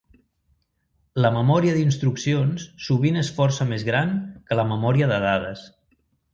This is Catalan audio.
La memòria d'instruccions sovint és força més gran que la memòria de dades.